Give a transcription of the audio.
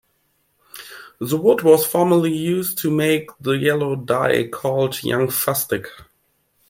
The wood was formerly used to make the yellow dye called young fustic.